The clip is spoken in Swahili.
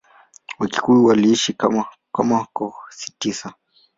Wakikuyu waliishi kama koo tisa.